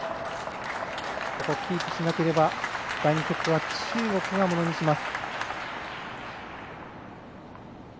ここをキープしなければ第２セットは中国がものにします。